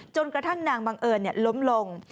จนกระทั่งนางบังเอิญล้มลง